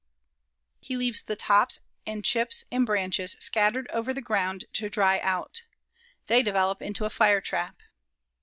He leaves the tops and chips and branches scattered over the ground to dry out. They develop into a fire trap.